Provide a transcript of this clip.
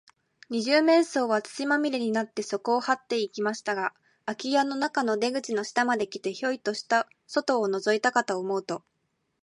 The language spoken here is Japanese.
二十面相は、土まみれになって、そこをはっていきましたが、あき家の中の出口の下まで来て、ヒョイと外をのぞいたかと思うと、